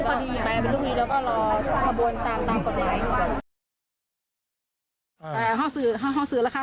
ตามตามตามก็ได้เลยแต่เขาสื่อเขาเขาสื่อราคา